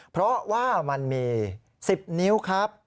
เพราะว่ามันมี๑๐นิ้วครับ